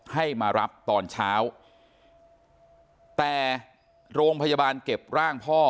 ให้มารับตอนเช้าแต่โรงพยาบาลเก็บร่างพ่อ